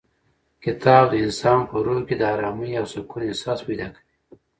کتاب د انسان په روح کې د ارامۍ او سکون احساس پیدا کوي.